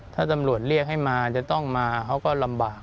ถ้าตำรวจเรียกให้มาจะต้องมาเขาก็ลำบาก